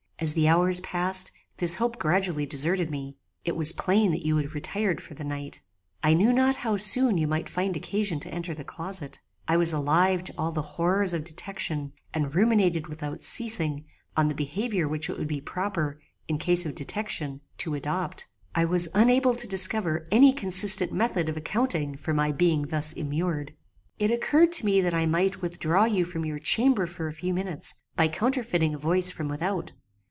As the hours passed, this hope gradually deserted me. It was plain that you had retired for the night. "I knew not how soon you might find occasion to enter the closet. I was alive to all the horrors of detection, and ruminated without ceasing, on the behaviour which it would be proper, in case of detection, to adopt. I was unable to discover any consistent method of accounting for my being thus immured. "It occurred to me that I might withdraw you from your chamber for a few minutes, by counterfeiting a voice from without.